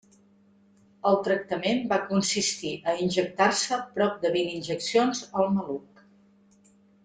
El tractament va consistir a injectar-se prop de vint injeccions al maluc.